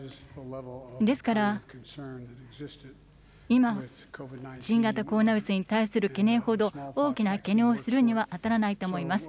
ですから、今、新型コロナウイルスに対する懸念ほど大きな懸念をするには当たらないと思います。